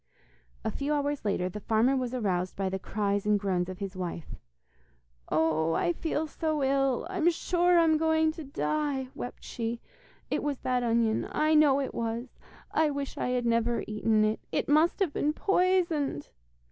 A few hours later the farmer was aroused by the cries and groans of his wife. 'Oh, I feel so ill, I'm sure I'm going to die,' wept she. 'It was that onion, I know it was. I wish I had never eaten it. It must have been poisoned.